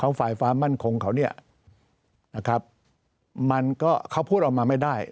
ฝ่ายความมั่นคงเขาเนี่ยนะครับมันก็เขาพูดออกมาไม่ได้